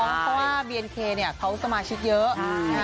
เพราะว่าเบียนเคเนี่ยเขาสมาชิกเยอะ